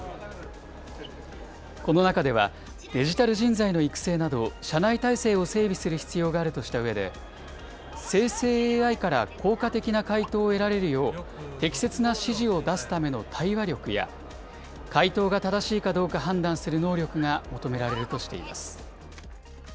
この中では、デジタル人材の育成など、社内体制を整備する必要があるとしたうえで、生成ＡＩから効果的な回答を得られるよう、適切な指示を出すための対話力や、回答が正しいかどうか判断する能力が求められるとしています。